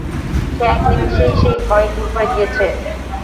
সে এক নিমেষেই সেই ভয় দূর করে দিয়েছে।